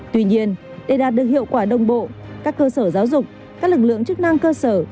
tuy nhiên để đạt được hiệu quả đồng bộ các cơ sở giáo dục các lực lượng chức năng cơ sở